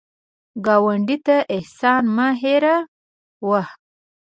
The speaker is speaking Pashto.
ګاونډي ته احسان مه هېر وهه